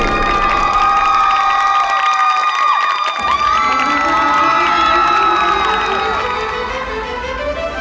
สวัสดีครับสวัสดีครับ